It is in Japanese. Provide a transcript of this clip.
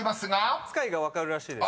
碧海が分かるらしいです。